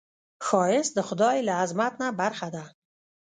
ښایست د خدای له عظمت نه برخه ده